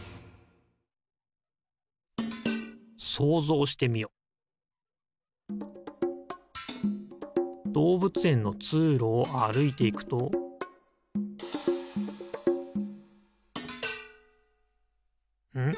いじょうどうぶつえんのつうろをあるいていくとん？